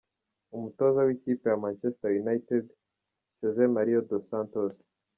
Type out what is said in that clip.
Umutoza w'ikipe ya Manchester United, José Mário dos Santos.